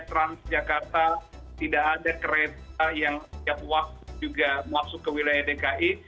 transjakarta tidak ada kereta yang setiap waktu juga masuk ke wilayah dki